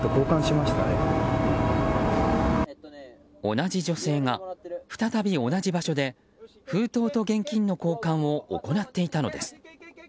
同じ女性が、再び同じ場所で封筒と現金の交換を行っていたのです。